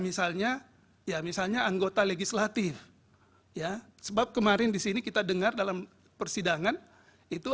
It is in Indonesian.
misalnya ya misalnya anggota legislatif ya sebab kemarin disini kita dengar dalam persidangan itu